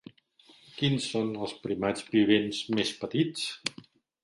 Quins són els primats vivents més petits?